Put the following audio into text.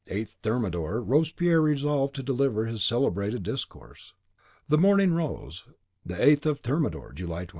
(The next day, 8th Thermidor, Robespierre resolved to deliver his celebrated discourse.) The morning rose, the 8th of Thermidor (July 26).